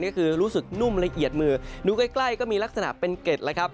ก็คือรู้สึกนุ่มละเอียดมือดูใกล้ก็มีลักษณะเป็นเกร็ดแล้วครับ